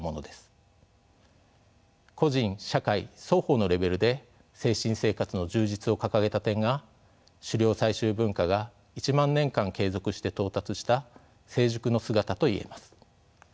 個人・社会双方のレベルで「精神生活の充実」を掲げた点が狩猟採集文化が１万年間継続して到達した成熟の姿と言えます。